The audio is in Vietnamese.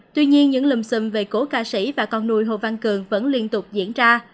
tuy nhiên những lùm xùm về cổ ca sĩ và con nuôi hồ văn cường vẫn liên tục diễn ra